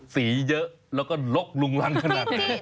เยอะแล้วก็ลกลุงรังขนาดนี้